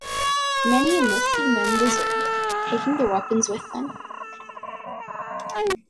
Many enlisted men deserted, taking their weapons with them.